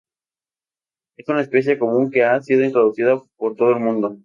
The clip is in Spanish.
Es una especie común que ha sido introducida por todo el mundo.